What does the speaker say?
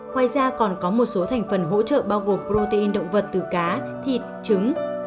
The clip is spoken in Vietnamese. ngoài ra còn có một số thành phần hỗ trợ bao gồm protein động vật từ cá thịt trứng